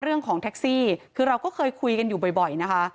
เรื่องของแท็กซี่คือเราก็เคยคุยกันอยู่บ่อยนะคะ